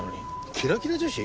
キラキラ女子？